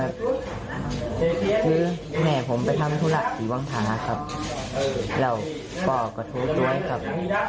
คือแม่ผมไปทำธุระที่วังฐานะครับแล้วพ่อก็โทรด้วยครับ